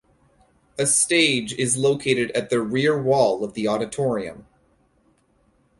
A stage is located at the rear wall of the auditorium.